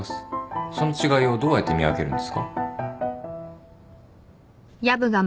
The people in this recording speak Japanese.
その違いをどうやって見分けるんですか？